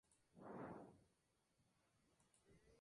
Se encuentra en Afganistán Irán y Pakistán.